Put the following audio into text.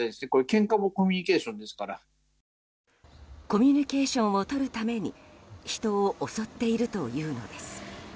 コミュニケーションをとるために人を襲っているというのです。